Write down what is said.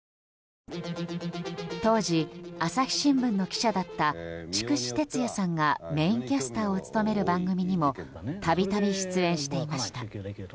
当時、朝日新聞の記者だった筑紫哲也さんがメインキャスターを務める番組にもたびたび出演していました。